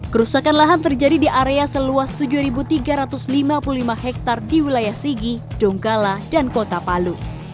kerusakan lahan terjadi di area seluas tujuh tiga ratus lima puluh lima hektare di wilayah sigi donggala dan kota palu